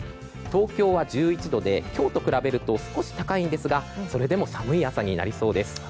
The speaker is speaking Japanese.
東京は１１度で今日と比べると少し高いんですがそれでも寒い朝になりそうです。